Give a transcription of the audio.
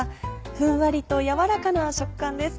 ふんわりと軟らかな食感です。